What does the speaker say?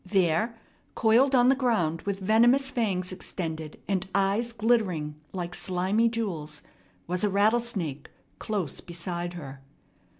There, coiled on the ground with venomous fangs extended and eyes glittering like slimy jewels, was a rattlesnake, close beside her.